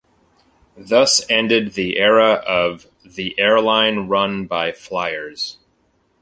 Thus ended the era of "The Airline Run by Flyers".